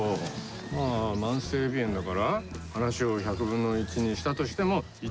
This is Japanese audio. まあ慢性鼻炎だから話を１００分の１にしたとしても１万倍だぞ。